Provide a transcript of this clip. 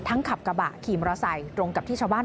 ถ้าจะเกิดเป็นแบบอย่างนี้บ่อย